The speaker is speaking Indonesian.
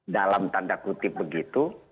dalam tanda kutip begitu